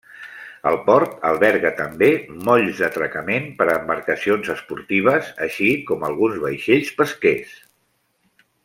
El port alberga també, molls d'atracament per a embarcacions esportives, així com alguns vaixells pesquers.